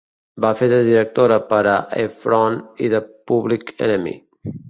Va fer de directora per a Heffron i The Public Enemy.